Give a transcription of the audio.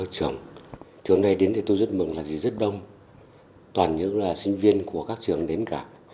các trường hôm nay đến thì tôi rất mừng là rất đông toàn những sinh viên của các trường đến cả